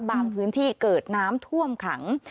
พื้นที่เกิดน้ำท่วมขัง